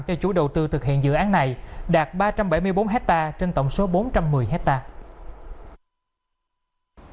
cho chủ đầu tư thực hiện dự án này đạt ba trăm bảy mươi bốn hectare trên tổng số bốn trăm một mươi hectare